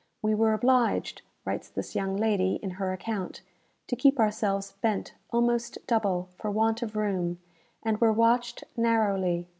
"We were obliged," writes this young lady, in her account, "to keep ourselves bent almost double, for want of room, and were watched narrowly.